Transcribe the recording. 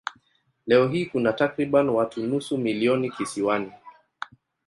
Leo hii kuna takriban watu nusu milioni kisiwani.